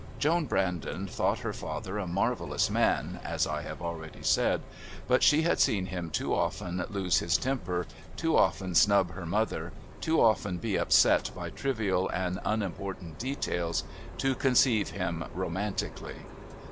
Joan Brandon thought her father a marvellous man, as I have already said, but she had seen him too often lose his temper, too often snub her mother, too often be upset by trivial and unimportant details, to conceive him romantically.